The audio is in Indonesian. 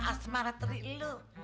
asmara teri lu